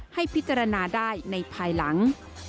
ให้พิจารณาได้ในภายหลัง